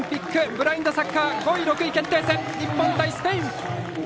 ブラインドサッカー５位、６位決定戦日本対スペイン。